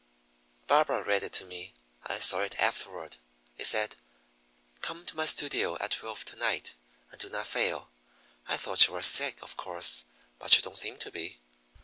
"Barbara read it to me. I saw it afterward. It said: 'Come to my studio at twelve to night, and do not fail.' I thought you were sick, of course, but you don't seem to be."